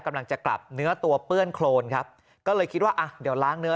กำลังจะกลับเนื้อตัวเปื้อนโครนครับก็เลยคิดว่าอ่ะเดี๋ยวล้างเนื้อ